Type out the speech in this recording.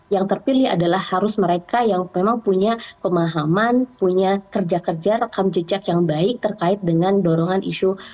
yang terpilih adalah harus mereka yang memang punya pemahaman punya kerja kerja rekam jejak yang baik terkait dengan dorongan isu